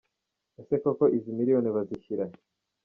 Ese koko izi miliyoni bazishyira he ?.